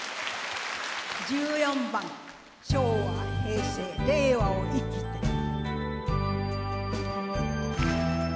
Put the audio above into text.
１４番「昭和・平成・令和を生きる」。